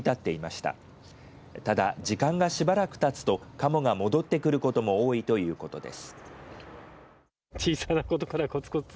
ただ時間がしばらくたつとかもが戻ってくることも多いということです。